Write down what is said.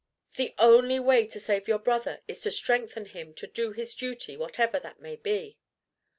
"The only way to save your brother is to strengthen him to do his duty, whatever that may be."